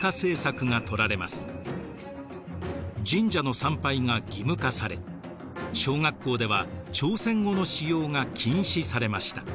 神社の参拝が義務化され小学校では朝鮮語の使用が禁止されました。